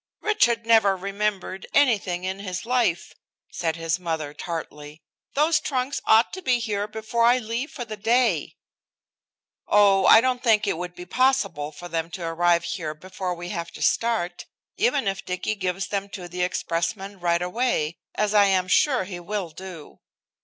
"Richard never remembered anything in his life," said his mother tartly. "Those trunks ought to be here before I leave for the day." "Oh, I don't think it would be possible for them to arrive here before we have to start, even if Dicky gives them to an expressman right away, as I am sure he will do."